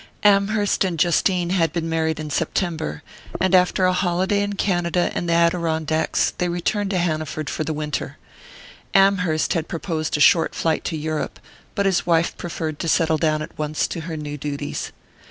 Amherst and Justine had been married in September; and after a holiday in Canada and the Adirondacks they returned to Hanaford for the winter. Amherst had proposed a short flight to Europe; but his wife preferred to settle down at once to her new duties.